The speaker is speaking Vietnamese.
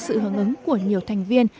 sự hướng ứng của nhiều thành viên